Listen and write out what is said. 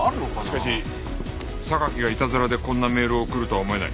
しかし榊がイタズラでこんなメールを送るとは思えない。